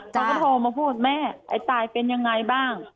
เขาก็โทรมาพูดแม่ไอ้ตายเป็นยังไงบ้าง